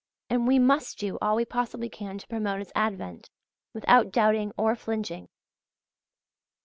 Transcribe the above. And we must do all we possibly can to promote its advent, without doubting or flinching.